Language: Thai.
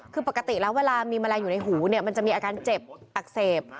คือปกติแล้วเวลามีแมลงอยู่ในหูเนี่ยมันจะมีอาการเจ็บอักเสบ